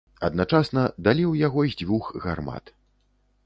Адначасна далі ў яго з дзвюх гармат.